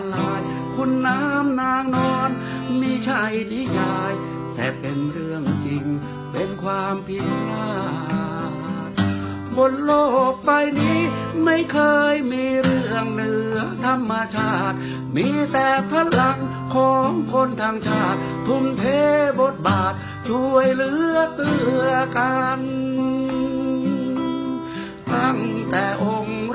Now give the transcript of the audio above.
แล้วผมเชื่อว่าประเทศไทยจะลุ่มเหลือง